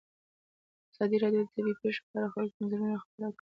ازادي راډیو د طبیعي پېښې په اړه د خلکو نظرونه خپاره کړي.